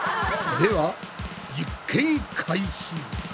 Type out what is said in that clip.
では実験開始！